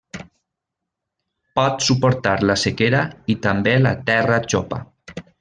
Pot suportar la sequera i també la terra xopa.